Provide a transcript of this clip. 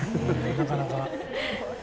なかなか。